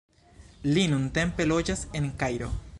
Li nuntempe loĝas en Kairo.